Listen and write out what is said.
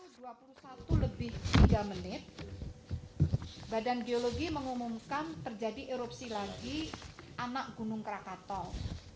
dua puluh satu lebih tiga menit badan geologi mengumumkan terjadi erupsi lagi anak gunung krakatau